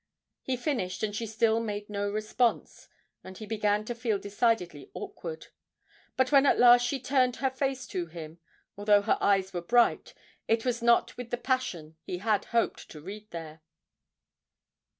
He finished and she still made no response, and he began to feel decidedly awkward; but when at last she turned her face to him, although her eyes were bright, it was not with the passion he had hoped to read there.